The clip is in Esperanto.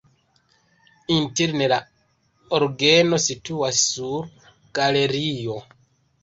Interne la orgeno situas sur galerio.